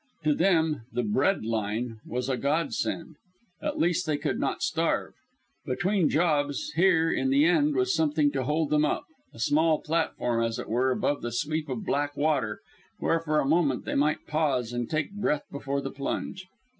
To them the "bread line" was a godsend. At least they could not starve. Between jobs here in the end was something to hold them up a small platform, as it were, above the sweep of black water, where for a moment they might pause and take breath before the plunge.